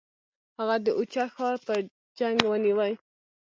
هغه د اوچه ښار په جنګ ونیوی.